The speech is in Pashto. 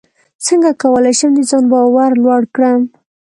څنګه کولی شم د ځان باور لوړ کړم